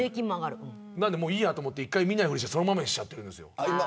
なのでいいやと思って見ないふりしてそのままにしちゃってるんですよ。